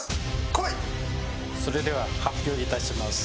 それでは発表致します。